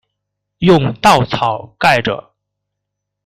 用稻草盖著